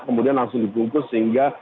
kemudian langsung dibungkus sehingga